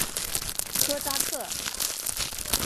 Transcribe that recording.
科扎克。